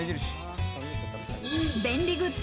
便利グッズ